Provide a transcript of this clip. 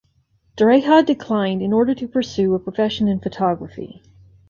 Dreja declined in order to pursue a profession in photography.